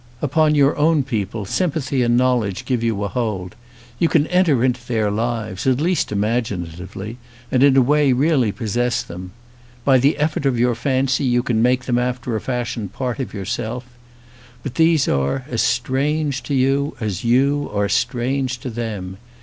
Upon your own peo ON A CHINESE SCEEEN pie sympathy and knowledge give you a hold ; you can enter into their lives, at least imaginatively, and in a way really possess them. By the effort of your fancy you can make them after a fashion part of yourself. But these are as strange to you as you are strange to them.